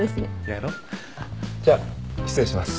やろ？じゃあ失礼します。